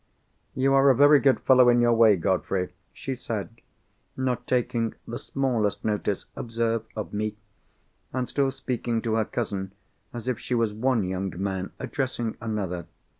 "You are a very good fellow in your way, Godfrey," she said—not taking the smallest notice, observe, of me, and still speaking to her cousin as if she was one young man addressing another.